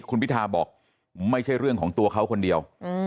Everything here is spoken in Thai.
คุณพิทาบอกไม่ใช่เรื่องของตัวเขาคนเดียว